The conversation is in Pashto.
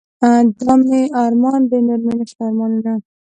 دا مې ارمان دے نور مې نشته ارمانونه